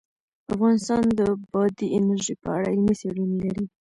افغانستان د بادي انرژي په اړه علمي څېړنې لري.